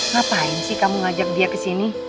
ngapain sih kamu ngajak dia ke sini